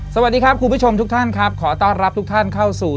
สวัสดีครับคุณผู้ชมทุกท่านครับขอต้อนรับทุกท่านเข้าสู่